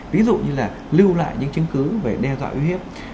ví dụ như là lưu lại những chứng cứ về đe dọa uy hiếp